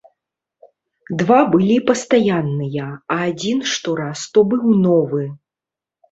Два былі пастаянныя, а адзін штораз то быў новы.